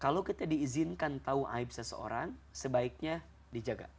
kalau kita diizinkan tahu aib seseorang sebaiknya dijaga